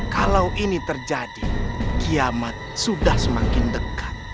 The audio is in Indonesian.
kalau ini terjadi kiamat sudah semakin dekat